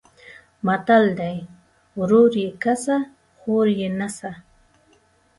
متل دی: ورور یې کسه خور یې نسه.